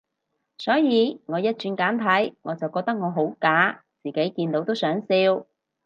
所以我一轉簡體，我就覺得我好假，自己見到都想笑